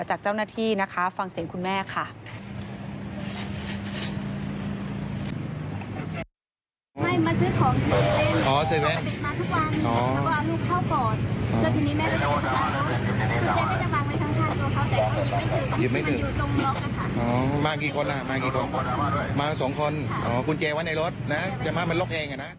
จากเจ้าหน้าที่นะคะฟังเสียงคุณแม่ค่ะ